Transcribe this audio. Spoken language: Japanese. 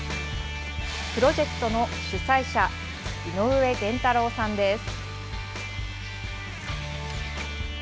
プロジェクトの主催者井上源太郎さんです。